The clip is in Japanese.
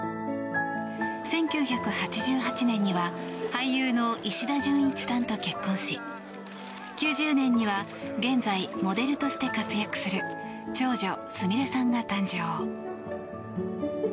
１９８８年には俳優の石田純一さんと結婚し９０年には現在モデルとして活躍する長女すみれさんが誕生。